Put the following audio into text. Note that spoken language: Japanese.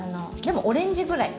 オレンジぐらい。